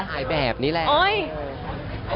ถ่ายแบบนี้แหละ